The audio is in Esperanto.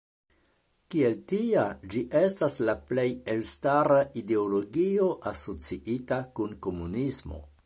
Kiel tia, ĝi estas la plej elstara ideologio asociita kun komunismo.